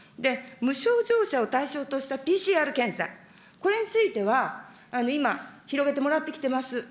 無症状者を対象としたＰＣＲ検査、これについては、今、広げてもらってきてます。